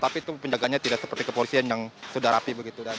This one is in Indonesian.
tapi itu penjagaannya tidak seperti kepolisian yang sudah rapi begitu